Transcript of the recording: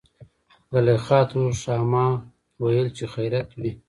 زليخا ترور :ښا ما ويل چې خېرت وي.